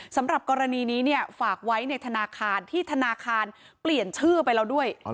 สำหรับกรณีนี้เนี่ยฝากไว้ในธนาคารที่ธนาคารเปลี่ยนชื่อไปแล้วด้วย